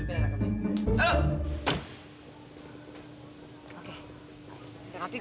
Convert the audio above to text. jangan enggak enggak